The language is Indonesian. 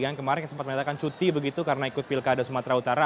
yang kemarin sempat menyatakan cuti begitu karena ikut pilkada sumatera utara